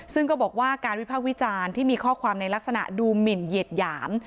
ซึ่งก็บอกว่าการวิภาควิจารณ์ที่มีข้อความในลักษณะดูหมินเหยียดหยาม